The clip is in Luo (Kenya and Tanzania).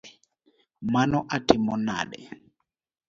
Mano atimo nade?